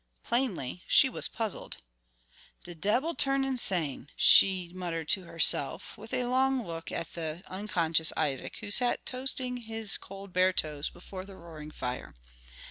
Plainly, she was puzzled. "De debbil turn' sain'," she muttered to herself, with a long look at the unconscious Isaac, who sat toasting his cold bare toes before the roaring fire.